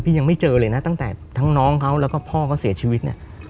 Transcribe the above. ยังไม่เจอเลยนะตั้งแต่ทั้งน้องเขาแล้วก็พ่อเขาเสียชีวิตเนี่ย